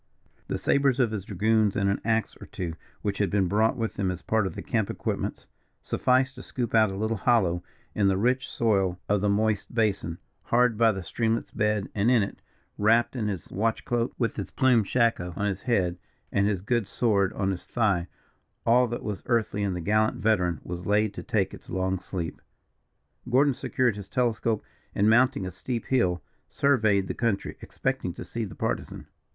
The sabres of his dragoons, and an axe or two, which had been brought with them as part of the camp equipments, sufficed to scoop out a little hollow in the rich soil of the moist basin, hard by the streamlet's bed, and in it, wrapped in his watch cloak, with his plumed shako on his head, and his good sword on his thigh, all that was earthly of the gallant veteran was laid to take its long sleep. Gordon secured his telescope, and, mounting a steep hill, surveyed the country, expecting to see the Partisan.